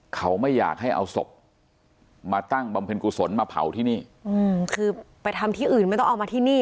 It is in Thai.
เขาไม่อยากให้เอาศพมาตั้งบำเพ็ญกุศลมาเผาที่นี่อืมคือไปทำที่อื่นไม่ต้องเอามาที่นี่